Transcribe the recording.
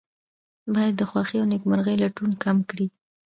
باید د خوښۍ او نیکمرغۍ لټون کم کړي.